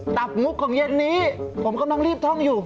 ตับมุกของเย็นนี้ผมกำลังรีบท่องอยู่